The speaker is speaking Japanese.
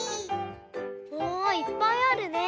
おいっぱいあるね。